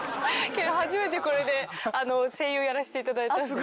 けど初めてこれで声優やらせていただいた。